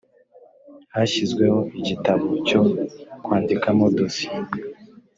hashyizweho igitabo cyo kwandikamo dosiye